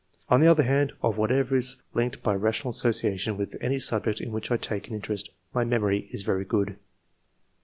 On tHe other hand, of whatever is linked by rational association with any subject in which I take an interest, my memory is very good.